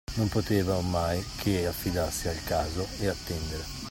Non poteva, ormai, che affidarsi al caso e attendere.